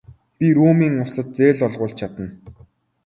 Би Румын улсад зээл олгуулж чадсан.